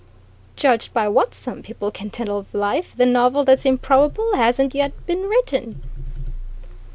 Judged by what some people can tell of life, the novel that's improbable hasn't yet been written!"